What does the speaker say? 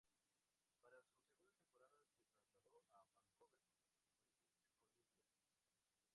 Para su segunda temporada se trasladó a Vancouver, British Columbia.